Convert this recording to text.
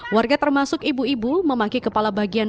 warga termasuk ibu ibu memakai kepala bagian